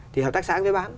thì hợp tác xã mới bán